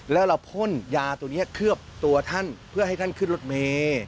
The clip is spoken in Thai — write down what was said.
แล้วเราพ่นยาตัวนี้เคลือบตัวท่านเพื่อให้ท่านขึ้นรถเมย์